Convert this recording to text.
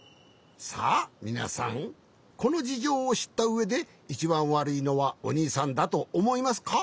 さあみなさんこのじじょうをしったうえでいちばんわるいのはおにいさんだとおもいますか？